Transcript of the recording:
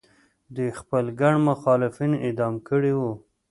دوی خپل ګڼ مخالفین اعدام کړي وو.